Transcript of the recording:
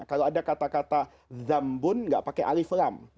kalau ada kata kata dhambun tidak pakai alif lam